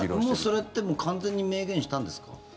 もうそれって完全に明言したんですか？